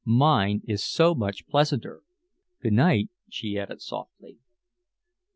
Mine is so much pleasanter. Good night," she added softly.